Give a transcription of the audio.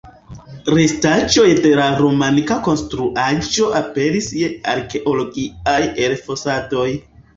Restaĵoj de la romanika konstruaĵo aperis je arkeologiaj elfosadoj.